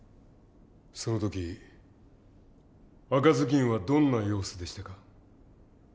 その時赤ずきんはどんな様子でしたか？